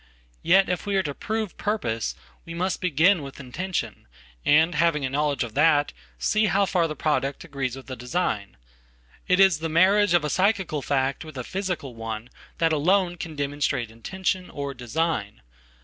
Yet if we areto prove purpose we must begin with intention, and having aknowledge of that see how far the product agrees with the design.It is the marriage of a psychical fact with a physical one thatalone can demonstrate intention, or design.